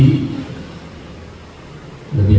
lebih banyak yang berkata